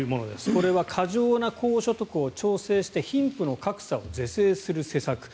これは過剰な高所得を調整して貧富の格差を是正する施策。